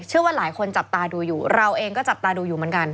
เชื่อว่าหลายคนจับตาดูอยู่เราเองก็จับตาดูอยู่เหมือนกัน